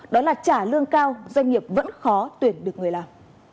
đó là trả lương cao doanh nghiệp vẫn khó tuyển được người làm